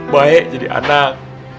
baik jadi anak